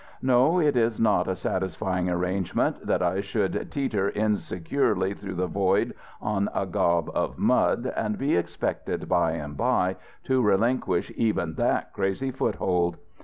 No, it is not a satisfying arrangement that I should teeter insecurely through the void on a gob of mud, and be expected bye and bye to relinquish even that crazy foothold.